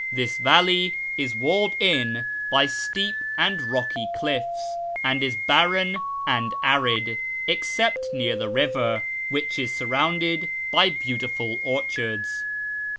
This valley is walled in by steep and rocky cliffs, and is barren and arid, except near the river, which is surrounded by beauti ful orchards.